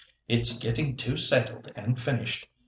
It's getting too settled and finished.